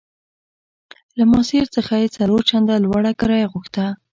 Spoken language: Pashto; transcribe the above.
له ماسیر څخه یې څلور چنده لوړه کرایه غوښته.